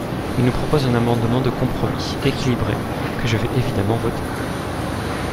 Il nous propose un amendement de compromis, équilibré, que je vais évidemment voter ».